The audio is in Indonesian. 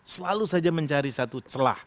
selalu saja mencari satu celah